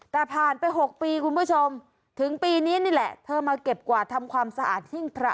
แต่ผ่านไป๖ปีคุณผู้ชมถึงปีนี้นี่แหละเธอมาเก็บกวาดทำความสะอาดหิ้งพระ